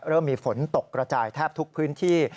เริ่มมีฝนตกกระจายแทบทุกพื้นที่